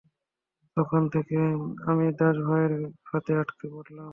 তখন থেকে আমি দাস ভাইয়ের ফাঁদে আটকা পড়লাম।